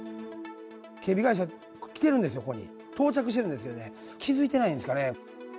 警備会社来てるんですよ、ここに、到着してるんですけどね、気付いてないんですかね。